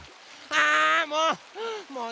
あもう！